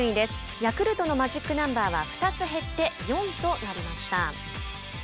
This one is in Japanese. ヤクルトのマジックナンバーは２つ減って４となりました。